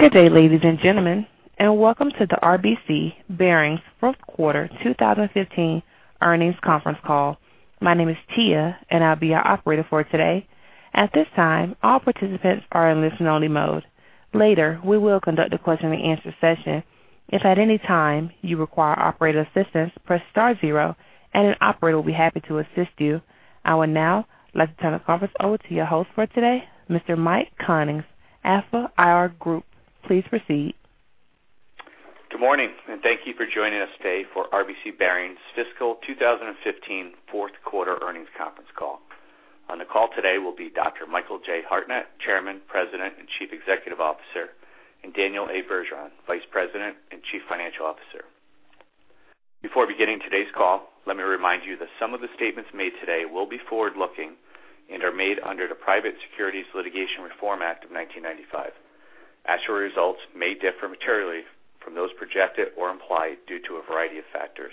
Good day, ladies and gentlemen, and welcome to the RBC Bearings fourth quarter 2015 earnings conference call. My name is Tia, and I'll be your operator for today. At this time, all participants are in listen-only mode. Later, we will conduct a question-and-answer session. If at any time you require operator assistance, press star zero, and an operator will be happy to assist you. I would now like to turn the conference over to your host for today, Mr. Mike Cummings, Alpha IR Group. Please proceed. Good morning, and thank you for joining us today for RBC Bearings' fiscal 2015 fourth quarter earnings conference call. On the call today will be Dr. Michael J. Hartnett, Chairman, President, and Chief Executive Officer, and Daniel A. Bergeron, Vice President and Chief Financial Officer. Before beginning today's call, let me remind you that some of the statements made today will be forward-looking and are made under the Private Securities Litigation Reform Act of 1995. Actual results may differ materially from those projected or implied due to a variety of factors.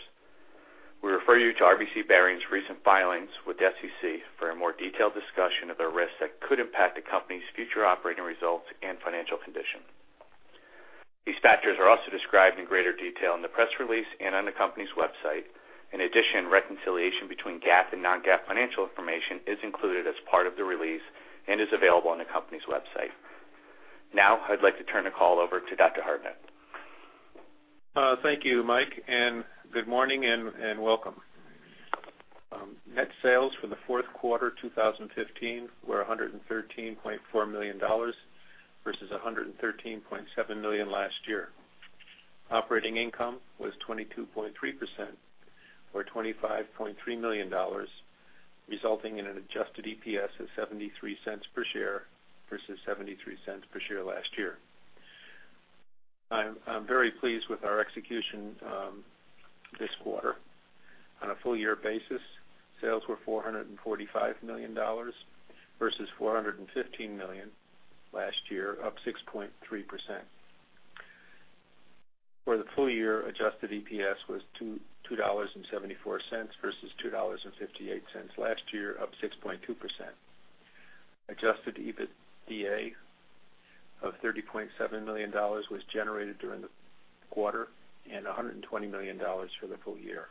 We refer you to RBC Bearings' recent filings with the SEC for a more detailed discussion of the risks that could impact the company's future operating results and financial condition. These factors are also described in greater detail in the press release and on the company's website. In addition, reconciliation between GAAP and non-GAAP financial information is included as part of the release and is available on the company's website. Now, I'd like to turn the call over to Dr. Hartnett. Thank you, Mike, and good morning and welcome. Net sales for the fourth quarter 2015 were $113.4 million versus $113.7 million last year. Operating income was 22.3% or $25.3 million, resulting in an adjusted EPS of $0.73 per share versus $0.73 per share last year. I'm very pleased with our execution this quarter. On a full-year basis, sales were $445 million versus $415 million last year, up 6.3%. For the full year, adjusted EPS was $2.74 versus $2.58 last year, up 6.2%. Adjusted EBITDA of $30.7 million was generated during the quarter and $120 million for the full year.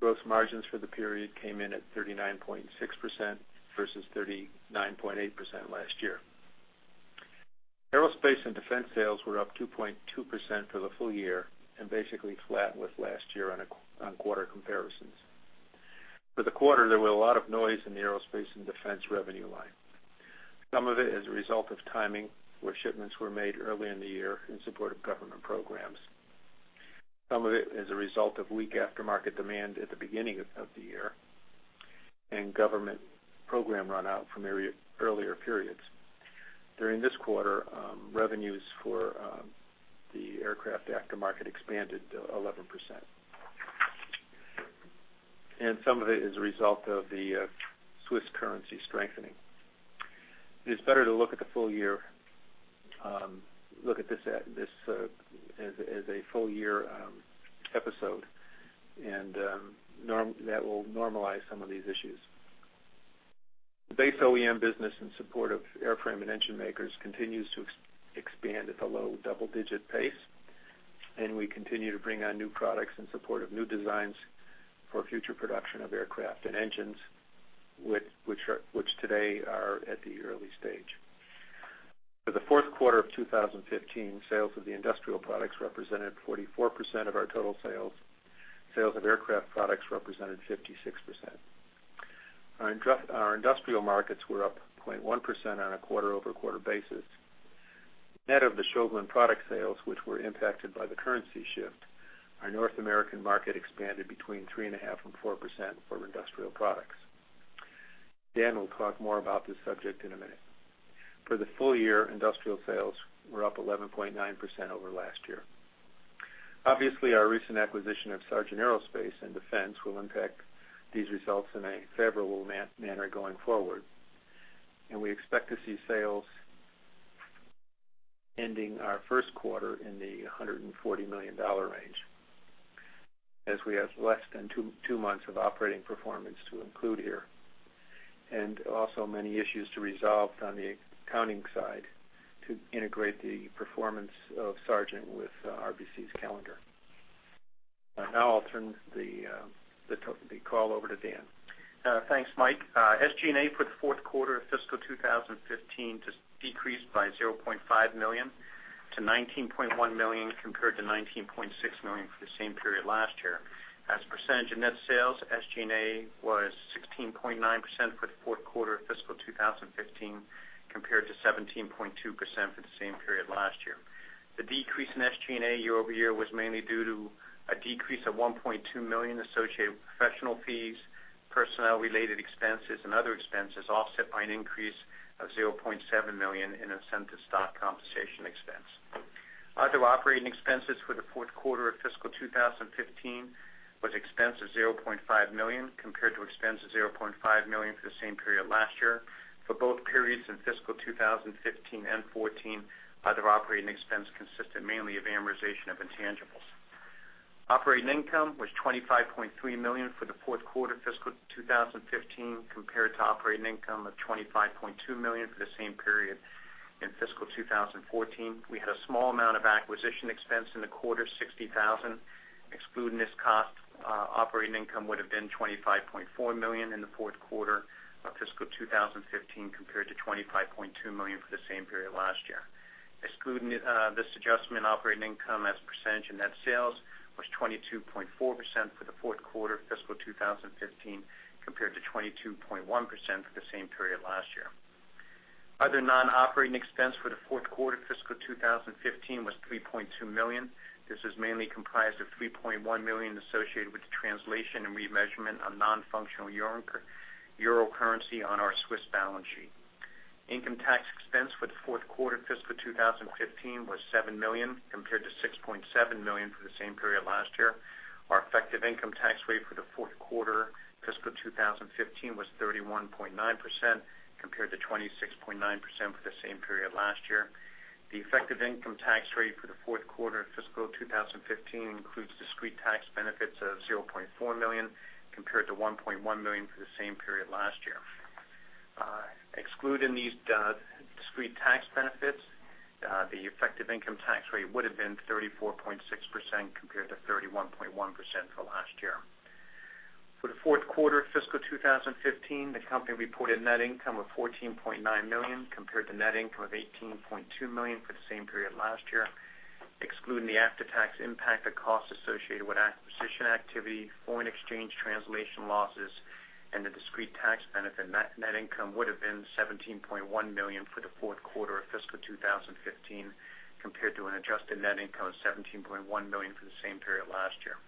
Gross margins for the period came in at 39.6% versus 39.8% last year. Aerospace and defense sales were up 2.2% for the full year and basically flat with last year on quarter comparisons. For the quarter, there was a lot of noise in the aerospace and defense revenue line. Some of it as a result of timing where shipments were made early in the year in support of government programs. Some of it as a result of weak aftermarket demand at the beginning of the year and government program runout from earlier periods. During this quarter, revenues for the aircraft aftermarket expanded 11%. Some of it is a result of the Swiss currency strengthening. It is better to look at the full year, look at this as a full-year episode, and that will normalize some of these issues. The base OEM business in support of airframe and engine makers continues to expand at a low double-digit pace, and we continue to bring on new products in support of new designs for future production of aircraft and engines, which today are at the early stage. For the fourth quarter of 2015, sales of the industrial products represented 44% of our total sales. Sales of aircraft products represented 56%. Our industrial markets were up 0.1% on a quarter-over-quarter basis. Net of the Schaublin product sales, which were impacted by the currency shift, our North American market expanded between 3.5%-4% for industrial products. Dan will talk more about this subject in a minute. For the full year, industrial sales were up 11.9% over last year. Obviously, our recent acquisition of Sargent Aerospace & Defense will impact these results in a favorable manner going forward, and we expect to see sales ending our first quarter in the $140 million range as we have less than two months of operating performance to include here, and also many issues to resolve on the accounting side to integrate the performance of Sargent with RBC's calendar. Now, I'll turn the call over to Dan. Thanks, Mike. SG&A for the fourth quarter of fiscal 2015 just decreased by $0.5 million to $19.1 million compared to $19.6 million for the same period last year. As a percentage of net sales, SG&A was 16.9% for the fourth quarter of fiscal 2015 compared to 17.2% for the same period last year. The decrease in SG&A year-over-year was mainly due to a decrease of $1.2 million associated with professional fees, personnel-related expenses, and other expenses offset by an increase of $0.7 million in incentive stock compensation expense. Other operating expenses for the fourth quarter of fiscal 2015 was expense of $0.5 million compared to expense of $0.5 million for the same period last year. For both periods in fiscal 2015 and 2014, other operating expense consisted mainly of amortization of intangibles. Operating income was $25.3 million for the fourth quarter of fiscal 2015 compared to operating income of $25.2 million for the same period in fiscal 2014. We had a small amount of acquisition expense in the quarter, $60,000. Excluding this cost, operating income would have been $25.4 million in the fourth quarter of fiscal 2015 compared to $25.2 million for the same period last year. Excluding this adjustment in operating income as percentage of net sales, was 22.4% for the fourth quarter of fiscal 2015 compared to 22.1% for the same period last year. Other non-operating expense for the fourth quarter of fiscal 2015 was $3.2 million. This was mainly comprised of $3.1 million associated with the translation and remeasurement of non-functional Eurocurrency on our Swiss balance sheet. Income tax expense for the fourth quarter of fiscal 2015 was $7 million compared to $6.7 million for the same period last year. Our effective income tax rate for the fourth quarter of fiscal 2015 was 31.9% compared to 26.9% for the same period last year. The effective income tax rate for the fourth quarter of fiscal 2015 includes discrete tax benefits of $0.4 million compared to $1.1 million for the same period last year. Excluding these discrete tax benefits, the effective income tax rate would have been 34.6% compared to 31.1% for last year. For the fourth quarter of fiscal 2015, the company reported net income of $14.9 million compared to net income of $18.2 million for the same period last year. Excluding the after-tax impact of costs associated with acquisition activity, foreign exchange translation losses, and the discrete tax benefit, net income would have been $17.1 million for the fourth quarter of fiscal 2015 compared to an adjusted net income of $17.1 million for the same period last year.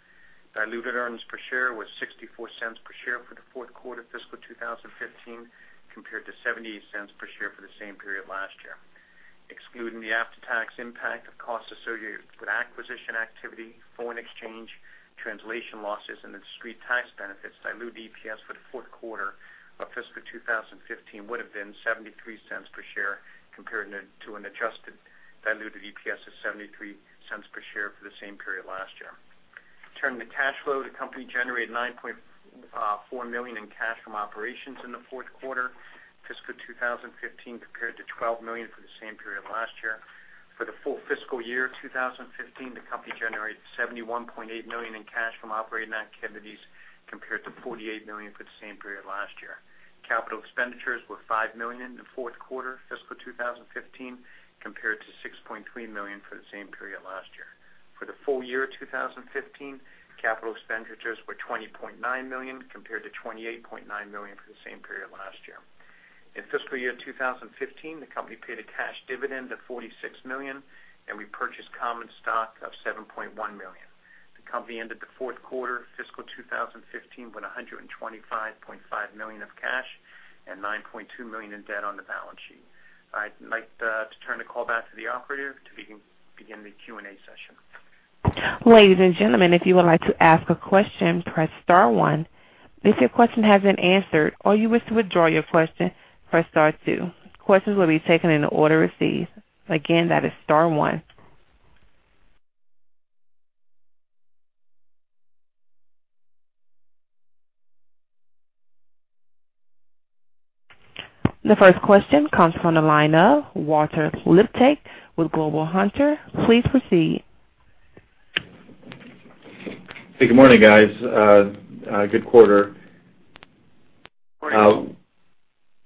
Diluted earnings per share was $0.64 per share for the fourth quarter of fiscal 2015 compared to $0.78 per share for the same period last year. Excluding the after-tax impact of costs associated with acquisition activity, foreign exchange translation losses, and the discrete tax benefits, diluted EPS for the fourth quarter of fiscal 2015 would have been $0.73 per share compared to an adjusted diluted EPS of $0.73 per share for the same period last year. Turning to cash flow, the company generated $9.4 million in cash from operations in the fourth quarter of fiscal 2015 compared to $12 million for the same period last year. For the full fiscal year 2015, the company generated $71.8 million in cash from operating activities compared to $48 million for the same period last year. Capital expenditures were $5 million in the fourth quarter of fiscal 2015 compared to $6.3 million for the same period last year. For the full year 2015, capital expenditures were $20.9 million compared to $28.9 million for the same period last year. In fiscal year 2015, the company paid a cash dividend of $46 million, and we purchased common stock of $7.1 million. The company ended the fourth quarter of fiscal 2015 with $125.5 million of cash and $9.2 million in debt on the balance sheet. I'd like to turn the call back to the operator to begin the Q&A session. Ladies and gentlemen, if you would like to ask a question, press star one. If your question hasn't been answered or you wish to withdraw your question, press star two. Questions will be taken in the order received. Again, that is star one. The first question comes from the line of Walter Liptak with Global Hunter. Please proceed. Hey, good morning, guys. Good quarter. Good morning.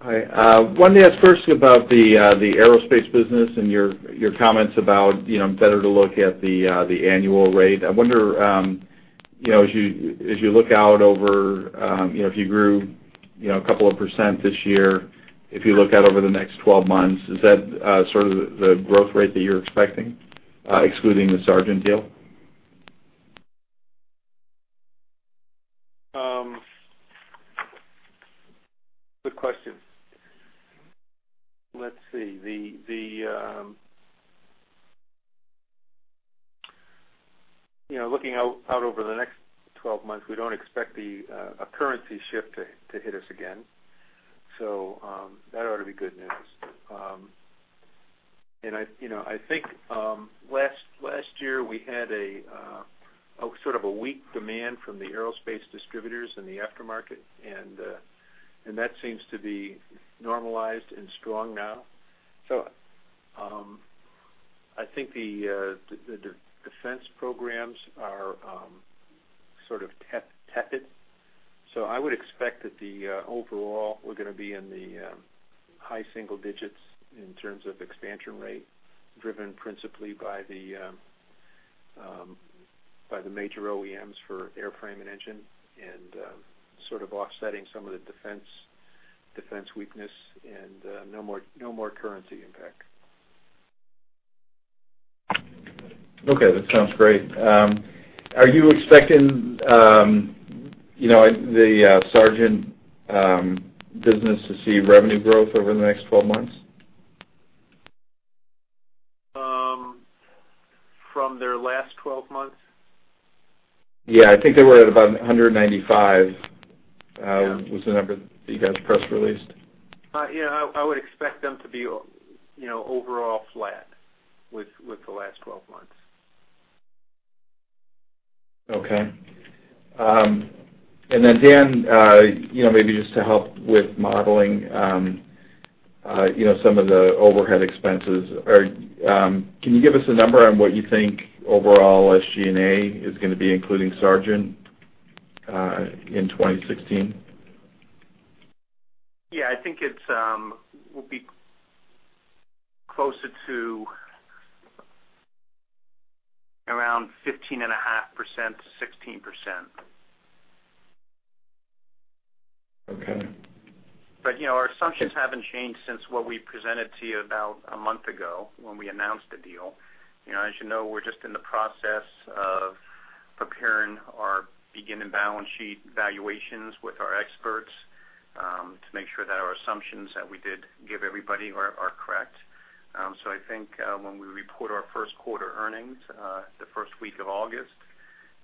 Hi. I wanted to ask first about the aerospace business and your comments about better to look at the annual rate. I wonder, as you look out over if you grew a couple of % this year, if you look out over the next 12 months, is that sort of the growth rate that you're expecting excluding the Sargent deal? Good question. Let's see. Looking out over the next 12 months, we don't expect a currency shift to hit us again, so that ought to be good news. I think last year we had sort of a weak demand from the aerospace distributors in the aftermarket, and that seems to be normalized and strong now. I think the defense programs are sort of tepid, so I would expect that overall we're going to be in the high single digits in terms of expansion rate driven principally by the major OEMs for airframe and engine and sort of offsetting some of the defense weakness and no more currency impact. Okay. That sounds great. Are you expecting the Sargent business to see revenue growth over the next 12 months? From their last 12 months? Yeah. I think they were at about 195 was the number that you guys press-released. Yeah. I would expect them to be overall flat with the last 12 months. Okay. And then, Dan, maybe just to help with modeling some of the overhead expenses, can you give us a number on what you think overall SG&A is going to be including Sargent in 2016? Yeah. I think it will be closer to around 15.5%-16%. But our assumptions haven't changed since what we presented to you about a month ago when we announced the deal. As you know, we're just in the process of preparing our beginning balance sheet valuations with our experts to make sure that our assumptions that we did give everybody are correct. So I think when we report our first quarter earnings the first week of August,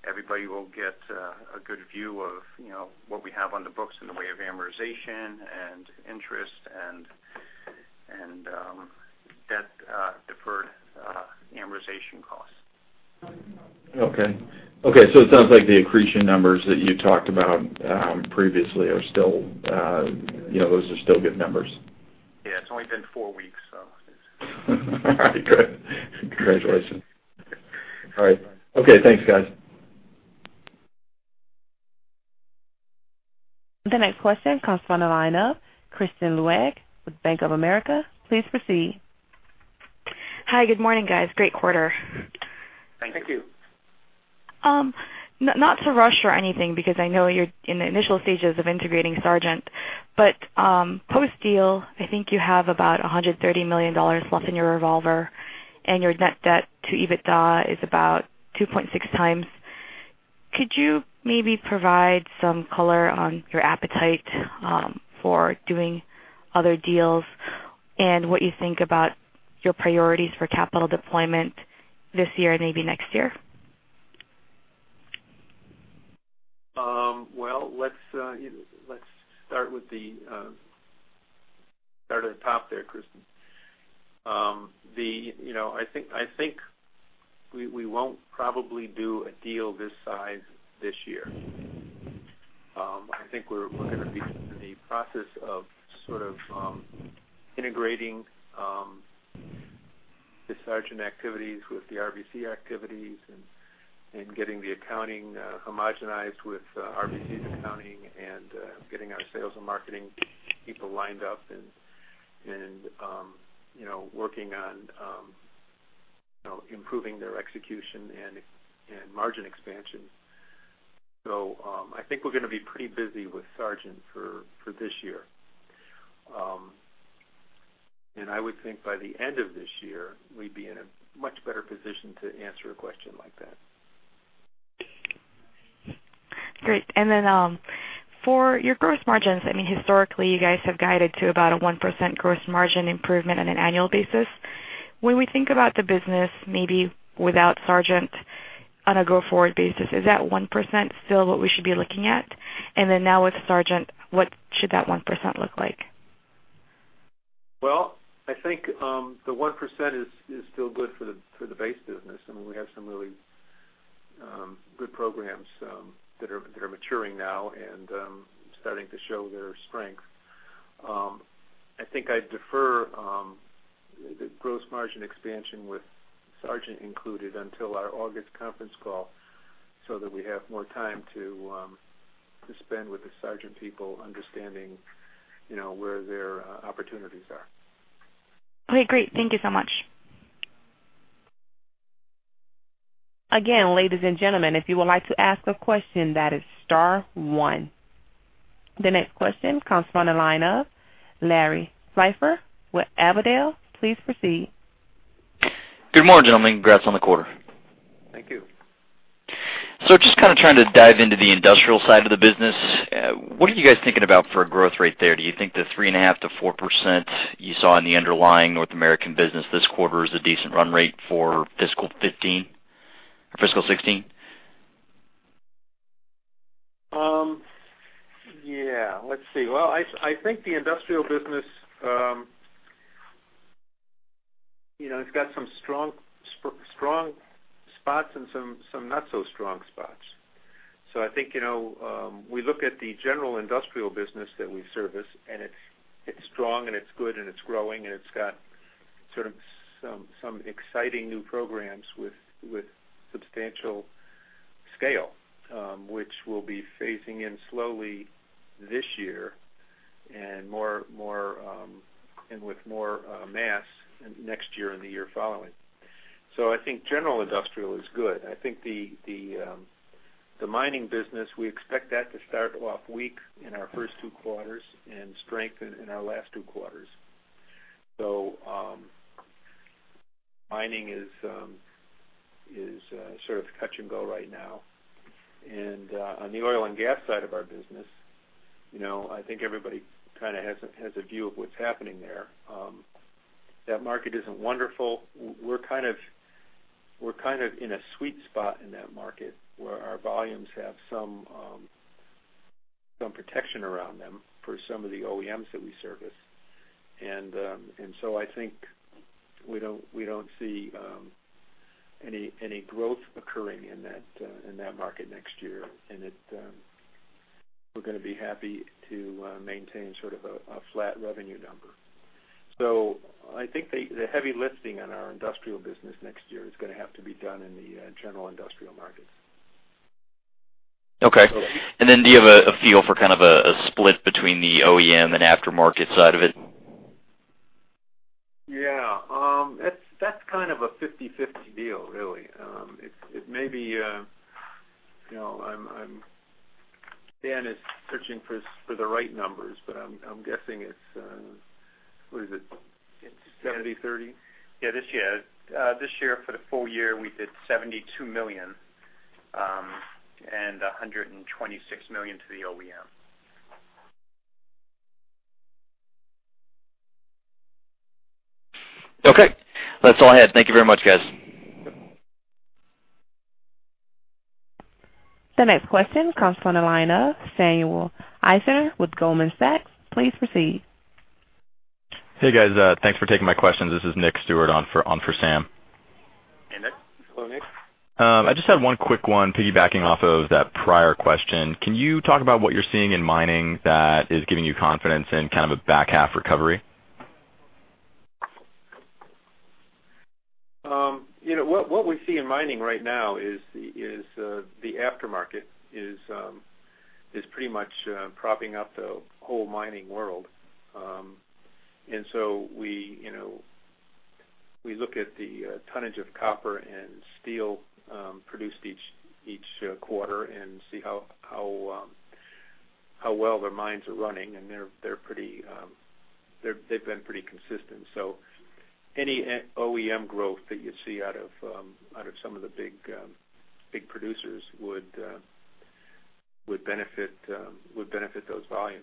everybody will get a good view of what we have on the books in the way of amortization and interest and debt-deferred amortization costs. Okay. Okay. So it sounds like the accretion numbers that you talked about previously are still those are still good numbers. Yeah. It's only been four weeks, so. All right. Good. Congratulations. All right. Okay. Thanks, guys. The next question comes from the line of Kristine Liwag with Bank of America. Please proceed. Hi. Good morning, guys. Great quarter. Thank you. Thank you. Not to rush or anything because I know you're in the initial stages of integrating Sargent, but post-deal, I think you have about $130 million left in your revolver, and your net debt to EBITDA is about 2.6 times. Could you maybe provide some color on your appetite for doing other deals and what you think about your priorities for capital deployment this year and maybe next year? Well, let's start with the start at the top there, Kristine. I think we won't probably do a deal this size this year. I think we're going to be in the process of sort of integrating the Sargent activities with the RBC activities and getting the accounting homogenized with RBC's accounting and getting our sales and marketing people lined up and working on improving their execution and margin expansion. So I think we're going to be pretty busy with Sargent for this year. I would think by the end of this year, we'd be in a much better position to answer a question like that. Great. And then for your gross margins, I mean, historically, you guys have guided to about a 1% gross margin improvement on an annual basis. When we think about the business maybe without Sargent on a go-forward basis, is that 1% still what we should be looking at? And then now with Sargent, what should that 1% look like? Well, I think the 1% is still good for the base business. I mean, we have some really good programs that are maturing now and starting to show their strength. I think I'd defer the gross margin expansion with Sargent included until our August conference call so that we have more time to spend with the Sargent people understanding where their opportunities are. Okay. Great. Thank you so much. Again, ladies and gentlemen, if you would like to ask a question, that is star one. The next question comes from the line of Larry Pfeiffer with Avondale. Please proceed. Good morning, gentlemen. Congrats on the quarter. Thank you. So just kind of trying to dive into the industrial side of the business, what are you guys thinking about for a growth rate there? Do you think the 3.5%-4% you saw in the underlying North American business this quarter is a decent run rate for fiscal 2015 or fiscal 2016? Yeah. Let's see. Well, I think the industrial business, it's got some strong spots and some not-so-strong spots. So I think we look at the general industrial business that we service, and it's strong, and it's good, and it's growing, and it's got sort of some exciting new programs with substantial scale, which will be phasing in slowly this year and with more mass next year and the year following. So I think general industrial is good. I think the mining business, we expect that to start off weak in our first two quarters and strengthen in our last two quarters. So mining is sort of touch-and-go right now. And on the oil and gas side of our business, I think everybody kind of has a view of what's happening there. That market isn't wonderful. We're kind of in a sweet spot in that market where our volumes have some protection around them for some of the OEMs that we service. And so I think we don't see any growth occurring in that market next year, and we're going to be happy to maintain sort of a flat revenue number. So I think the heavy lifting on our industrial business next year is going to have to be done in the general industrial markets. Okay. And then do you have a feel for kind of a split between the OEM and aftermarket side of it? Yeah. That's kind of a 50/50 deal, really. It may be Dan is searching for the right numbers, but I'm guessing it's what is it? It's 70/30? Yeah. This year, for the full year, we did $72 million and $126 million to the OEM. Okay. That's all I had. Thank you very much, guys. The next question comes from the line of Samuel Eisner with Goldman Sachs. Please proceed. Hey, guys. Thanks for taking my questions. This is Nick Stewart on for Sam. Hey, Nick. Hello, Nick. I just had one quick one piggybacking off of that prior question. Can you talk about what you're seeing in mining that is giving you confidence in kind of a back half recovery? What we see in mining right now is the aftermarket is pretty much propping up the whole mining world. So we look at the tonnage of copper and steel produced each quarter and see how well their mines are running, and they've been pretty consistent. So any OEM growth that you see out of some of the big producers would benefit those volumes.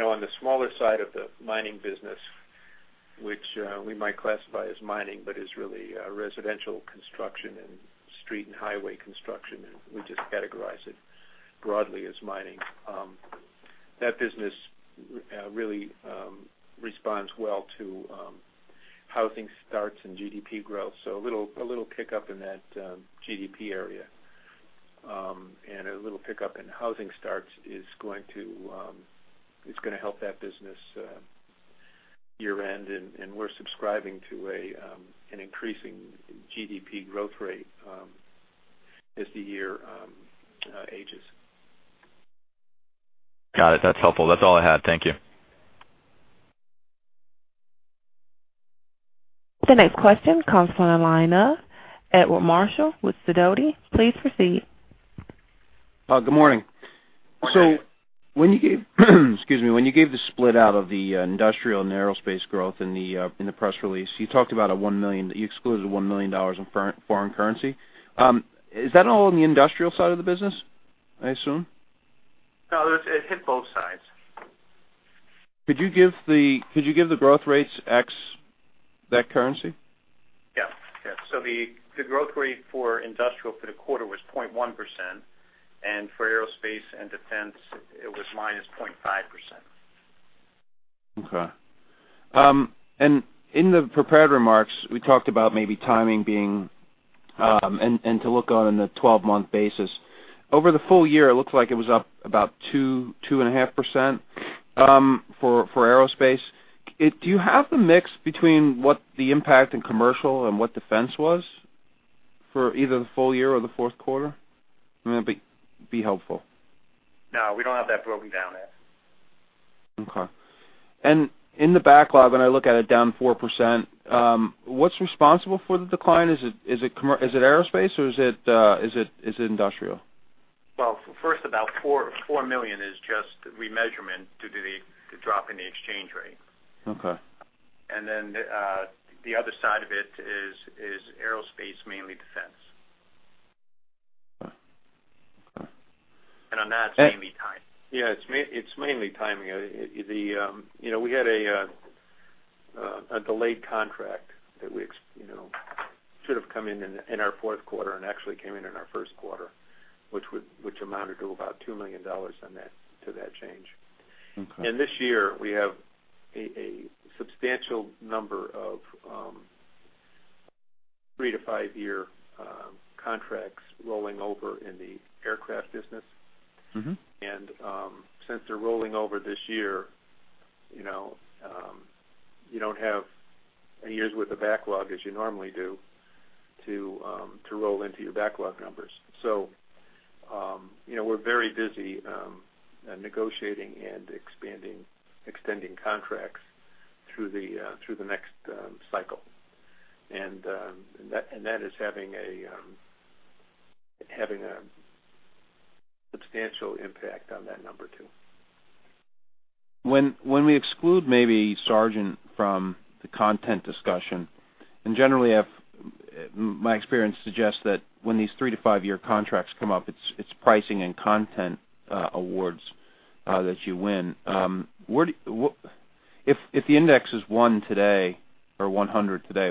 On the smaller side of the mining business, which we might classify as mining but is really residential construction and street and highway construction, and we just categorize it broadly as mining, that business really responds well to housing starts and GDP growth. So a little pickup in that GDP area and a little pickup in housing starts is going to help that business year-end, and we're subscribing to an increasing GDP growth rate as the year ages. Got it. That's helpful. That's all I had. Thank you. The next question comes from the line of Edward Marshall with Sidoti & Company. Please proceed. Good morning. So when you gave—excuse me. When you gave the split out of the industrial and aerospace growth in the press release, you talked about a $1 million you excluded a $1 million in foreign currency. Is that all on the industrial side of the business, I assume? No. It hit both sides. Could you give the growth rates X that currency? Yeah. Yeah. So the growth rate for industrial for the quarter was 0.1%, and for aerospace and defense, it was -0.5%. Okay. And in the prepared remarks, we talked about maybe timing being and to look on a 12-month basis. Over the full year, it looks like it was up about 2.5% for aerospace. Do you have the mix between what the impact in commercial and what defense was for either the full year or the fourth quarter? It may be helpful. No. We don't have that broken down yet. Okay. And in the backlog, when I look at it, down 4%, what's responsible for the decline? Is it aerospace, or is it industrial? Well, first, about $4 million is just remeasurement due to the drop in the exchange rate. And then the other side of it is aerospace, mainly defense. And on that, it's mainly timing. Yeah. It's mainly timing. We had a delayed contract that should have come in in our fourth quarter and actually came in in our first quarter, which amounted to about $2 million to that change. This year, we have a substantial number of 3-5-year contracts rolling over in the aircraft business. Since they're rolling over this year, you don't have years with a backlog as you normally do to roll into your backlog numbers. We're very busy negotiating and extending contracts through the next cycle, and that is having a substantial impact on that number too. When we exclude maybe Sargent from the content discussion and generally, my experience suggests that when these 3-5-year contracts come up, it's pricing and content awards that you win. If the index is one today or 100 today,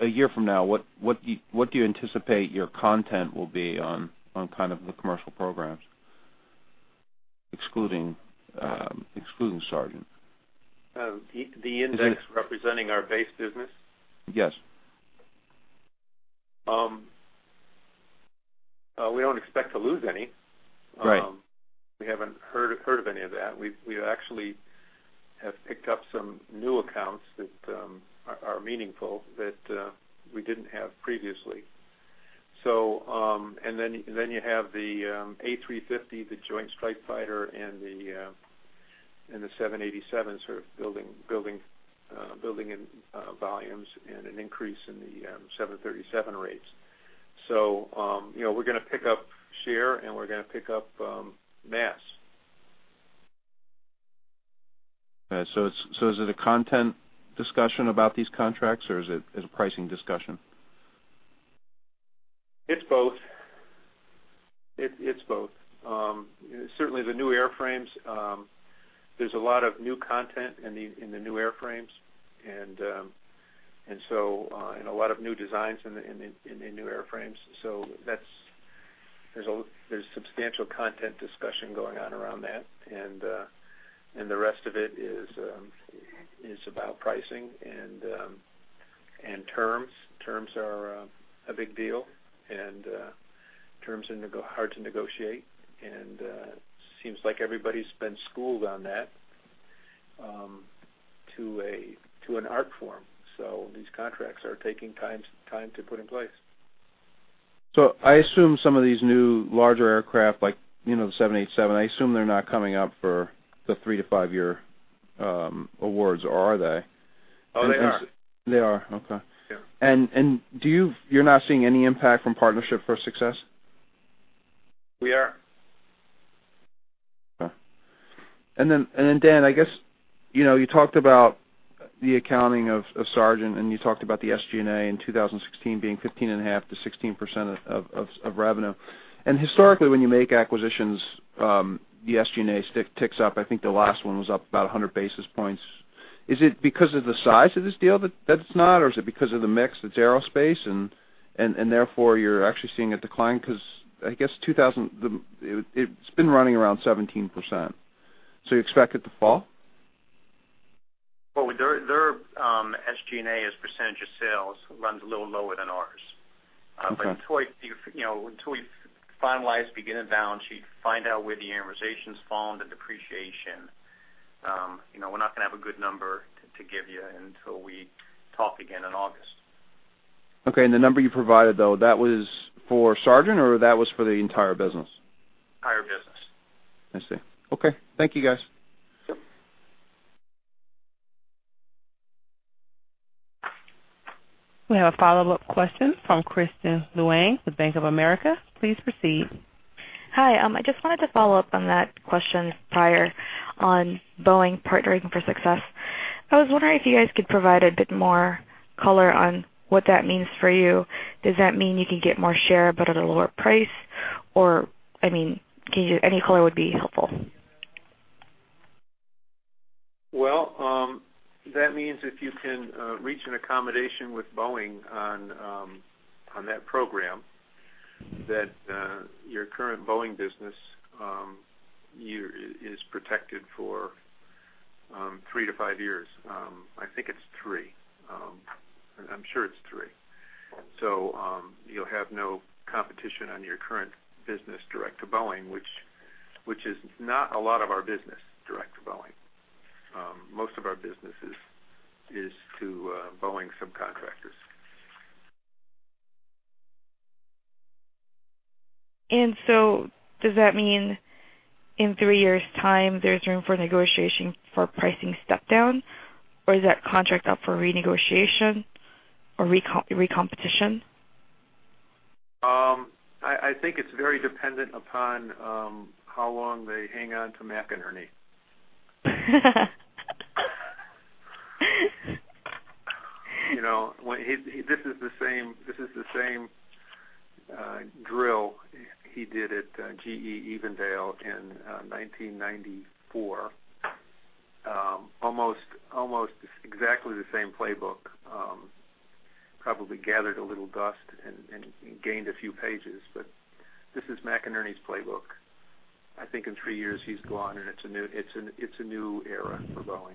a year from now, what do you anticipate your cost will be on kind of the commercial programs excluding Sargent? The index representing our base business? Yes. We don't expect to lose any. We haven't heard of any of that. We actually have picked up some new accounts that are meaningful that we didn't have previously. And then you have the A350, the Joint Strike Fighter, and the 787 sort of building in volumes and an increase in the 737 rates. So we're going to pick up share, and we're going to pick up mass. Okay. Is it a content discussion about these contracts, or is it a pricing discussion? It's both. It's both. Certainly, the new airframes, there's a lot of new content in the new airframes and a lot of new designs in the new airframes. So there's substantial content discussion going on around that, and the rest of it is about pricing and terms. Terms are a big deal, and terms are hard to negotiate. And it seems like everybody's been schooled on that to an art form. So these contracts are taking time to put in place. So I assume some of these new larger aircraft like the 787, I assume they're not coming up for the 3-5-year awards, or are they? Oh, they are. They are? Okay. And you're not seeing any impact from Partnering for Success? We are. Okay. And then, Dan, I guess you talked about the accounting of Sargent, and you talked about the SG&A in 2016 being 15.5%-16% of revenue. And historically, when you make acquisitions, the SG&A ticks up. I think the last one was up about 100 basis points. Is it because of the size of this deal that it's not, or is it because of the mix that's aerospace and therefore you're actually seeing a decline? Because I guess it's been running around 17%. So you expect it to fall? Well, their SG&A as percentage of sales runs a little lower than ours. But until we finalize beginning balance sheet, find out where the amortization's fallen, the depreciation, we're not going to have a good number to give you until we talk again in August. Okay. And the number you provided, though, that was for Sargent, or that was for the entire business? Entire business. I see. Okay. Thank you, guys. We have a follow-up question from Kristine Liwag with Bank of America. Please proceed. Hi. I just wanted to follow up on that question prior on Boeing Partnering for Success. I was wondering if you guys could provide a bit more color on what that means for you. Does that mean you can get more share but at a lower price, or I mean, any color would be helpful. Well, that means if you can reach an accommodation with Boeing on that program, that your current Boeing business is protected for 3-5 years. I think it's 3. I'm sure it's 3. So you'll have no competition on your current business direct to Boeing, which is not a lot of our business direct to Boeing. Most of our business is to Boeing subcontractors. And so does that mean in three years' time, there's room for negotiation for pricing stepdown, or is that contract up for renegotiation or recompetition? I think it's very dependent upon how long they hang on to Jim McNerney. This is the same drill he did at GE Evendale in 1994, almost exactly the same playbook, probably gathered a little dust and gained a few pages. But this is Jim McNerney's playbook. I think in three years, he's gone, and it's a new era for Boeing.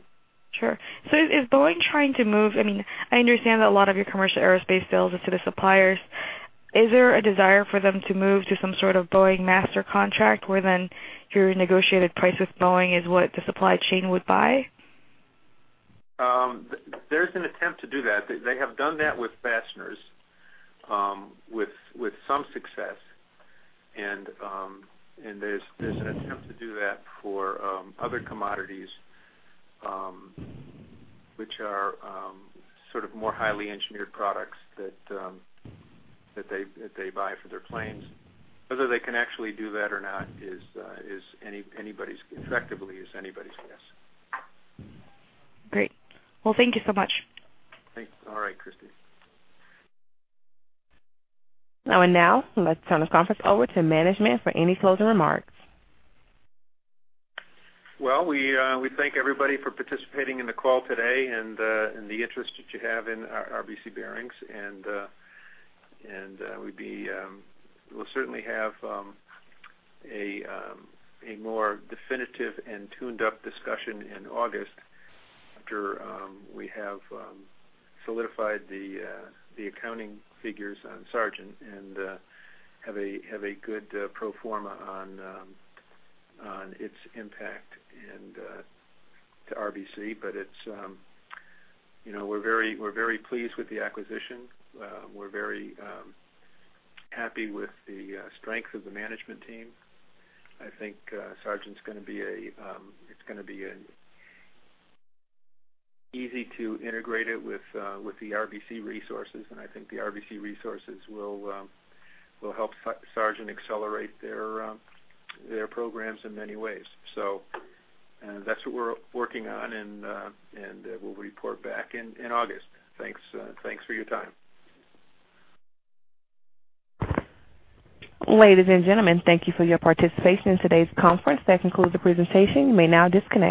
Sure. So is Boeing trying to move, I mean, I understand that a lot of your commercial aerospace sales is to the suppliers. Is there a desire for them to move to some sort of Boeing master contract where then your negotiated price with Boeing is what the supply chain would buy? There's an attempt to do that. They have done that with Fasteners with some success, and there's an attempt to do that for other commodities, which are sort of more highly engineered products that they buy for their planes. Whether they can actually do that or not is effectively anybody's guess. Great. Well, thank you so much. Thanks. All right, Kristine. Now, let's turn this conference over to management for any closing remarks. Well, we thank everybody for participating in the call today and the interest that you have in RBC Bearings. We'll certainly have a more definitive and tuned-up discussion in August after we have solidified the accounting figures on Sargent and have a good pro forma on its impact to RBC. But we're very pleased with the acquisition. We're very happy with the strength of the management team. I think Sargent's going to be a it's going to be easy to integrate it with the RBC resources, and I think the RBC resources will help Sargent accelerate their programs in many ways. So that's what we're working on, and we'll report back in August. Thanks for your time. Ladies and gentlemen, thank you for your participation in today's conference. That concludes the presentation. You may now disconnect.